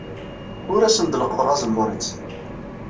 Ur asen-d-leqqḍeɣ azemmur-nsen.